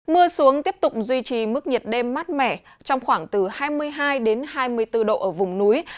mưa xuống tiếp tục duy trì mức nhiệt đêm mát mẻ trong khoảng từ hai mươi hai hai mươi bốn độ ở vùng núi